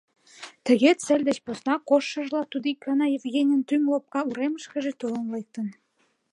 Тыге цель деч посна коштшыжла тудо ик гана Евгенийын тӱҥ лопка уремышкыже толын лектын.